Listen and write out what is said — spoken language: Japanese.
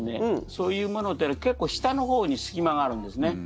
そういうものって結構下のほうに隙間があるんですね。